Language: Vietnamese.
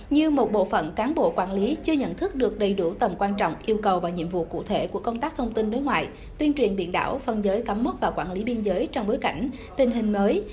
như một bộ phận cán bộ quản lý chưa nhận thức được đầy đủ tầm quan trọng yêu cầu và nhiệm vụ cụ thể của công tác thông tin đối ngoại tuyên truyền biển đảo phân giới cắm mốc và quản lý biên giới trong bối cảnh tình hình mới